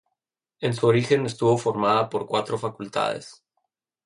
En su origen, estuvo formada por cuatro facultades.